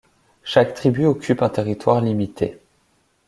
Chaque tribu occupe un territoire limité.